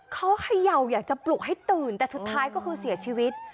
เขาเขย่าอยากจะปลุกให้ตื่นแต่สุดท้ายก็คือเสียชีวิต